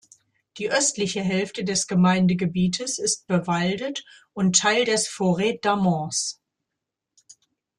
Die östliche Hälfte des Gemeindegebietes ist bewaldet und Teil des "Forêt d’Amance".